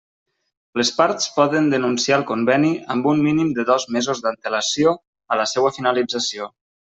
Les parts poden denunciar el Conveni amb un mínim de dos mesos d'antelació a la seua finalització.